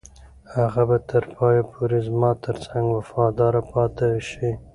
هغه به تر پایه پورې زما تر څنګ وفاداره پاتې شي.